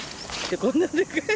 こんなでかい。